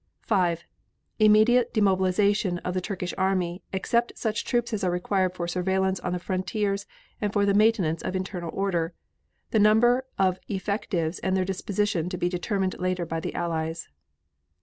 5. Immediate demobilization of the Turkish army, except such troops as are required for surveillance on the frontiers and for the maintenance of internal order. The number of effectives and their disposition to be determined later by the Allies.